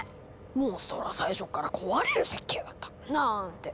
「モンストロは最初から壊れる設計だった」なんて。